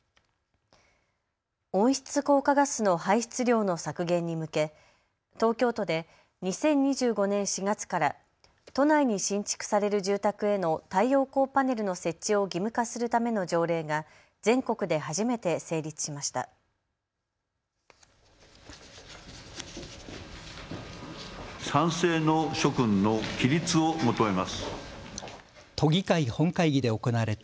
温室効果ガスの排出量の削減に向け東京都で２０２５年４月から都内に新築される住宅への太陽光パネルの設置を義務化するための条例が全国で初めて成立しました。